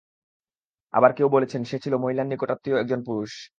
আবার কেউ বলেছেন, সে ছিল মহিলার নিকটাত্মীয় একজন পুরুষ।